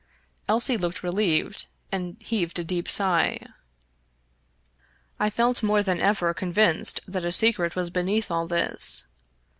Elsie looked relieved, and heaved a deep sigh. I felt more than ever convinced that a secret was beneath all this.